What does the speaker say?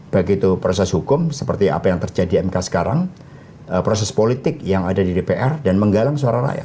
begitu proses hukum seperti apa yang terjadi mk sekarang proses politik yang ada di dpr dan menggalang suara rakyat